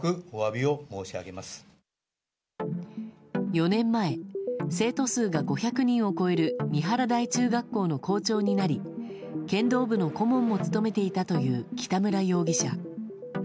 ４年前生徒数が５００人を超える三原台中学校の校長になり剣道部の顧問も務めていたという北村容疑者。